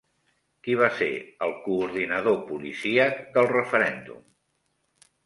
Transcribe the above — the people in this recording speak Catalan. Qui va ser el coordinador policíac del referèndum?